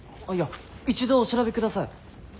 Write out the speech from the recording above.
あいや一度お調べください。